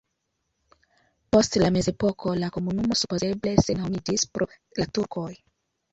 Post la mezepoko la komunumo supozeble senhomiĝis pro la turkoj.